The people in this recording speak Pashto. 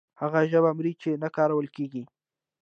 هغه ژبه مري چې نه کارول کیږي.